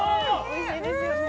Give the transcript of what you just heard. おいしいですよね。